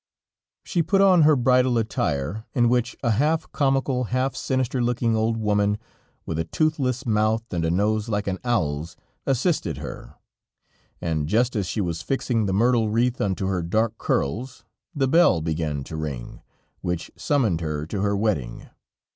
She put on her bridal attire, in which a half comical, half sinister looking old woman with a toothless mouth and a nose like an owl's, assisted her, and just as she was fixing the myrtle wreath onto her dark curls, the bell began to ring, which summoned her to her wedding.